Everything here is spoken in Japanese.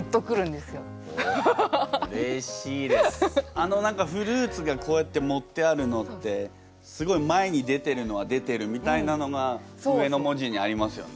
あの何かフルーツがこうやってもってあるのってすごい前に出てるのは出てるみたいなのが上の文字にありますよね。